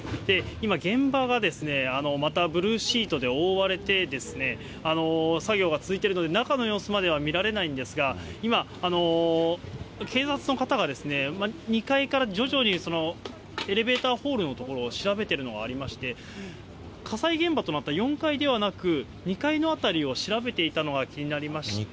今、現場がまたブルーシートで覆われて、作業が続いているので、中の様子までは見られないんですが、今、警察の方が２階から徐々にエレベーターホールのところを調べてるのがありまして、火災現場となった４階ではなく、２階の辺りを調べていたのが気になりまして。